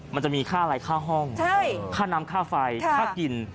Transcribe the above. มันจะมีค่าอะไรค่าห้องค่าน้ำค่าไฟค่ากิน